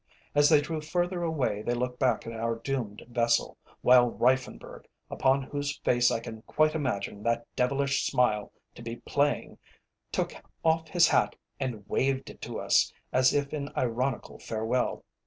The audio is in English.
As they drew further away they looked back at our doomed vessel, while Reiffenburg, upon whose face I can quite imagine that devilish smile to be playing, took off his hat and waved it to us, as if in ironical farewell.